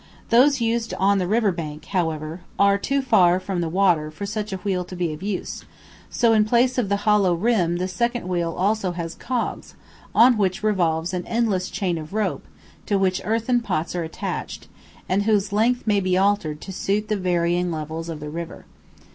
Those used on the river bank, however, are too far from the water for such a wheel to be of use, so in place of the hollow rim the second wheel also has cogs, on which revolves an endless chain of rope to which earthen pots are attached, and whose length may be altered to suit the varying levels of the river.